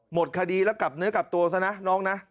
หมดคดีแล้วกลับเนื้อกลับตัวซะนะน้องนะ